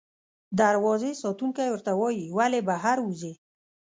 دروازې ساتونکی ورته وایي، ولې بهر وځې؟